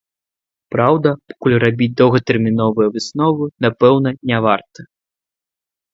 Праўда, пакуль рабіць доўгатэрміновыя высновы, напэўна, не варта.